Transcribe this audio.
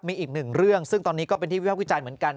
มีอีกหนึ่งเรื่องซึ่งตอนนี้ก็เป็นที่วิภาควิจารณ์เหมือนกัน